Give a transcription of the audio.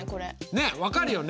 ねっ分かるよね？